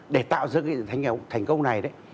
để tạo ra cái thành công này đấy